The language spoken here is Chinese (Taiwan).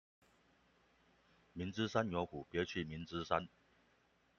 明知山有虎，別去明知山